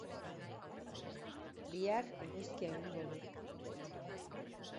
Bihar eguzkia egingo du.